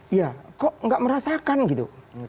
iya kok nggak merasakan gitu